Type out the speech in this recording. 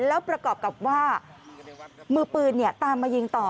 แล้วประกอบกับว่ามือปืนตามมายิงต่อ